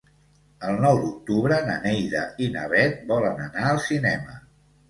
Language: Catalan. El nou d'octubre na Neida i na Bet volen anar al cinema.